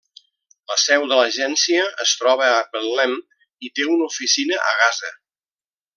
La seu de l'agència es troba a Betlem i té una oficina a Gaza.